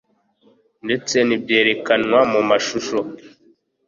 ndetse n' ibyerekanywa mu mashusho